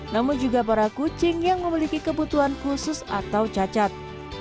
namun juga para kucing yang memiliki kebutuhan khusus atau cacat